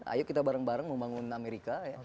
ayo kita bareng bareng membangun amerika ya